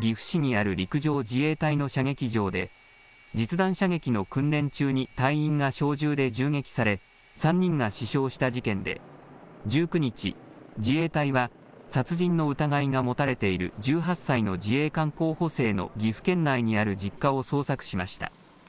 岐阜市にある陸上自衛隊の射撃場で実弾射撃の訓練中に隊員が小銃で銃撃され３人が死傷した事件で１９日、自衛隊は殺人の疑いが持たれている１８歳の自衛官候補生の岐阜県内にある実家を捜索しました。